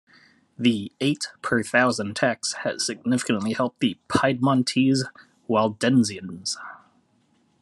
The eight-per-thousand tax has significantly helped the Piedmontese Waldensians.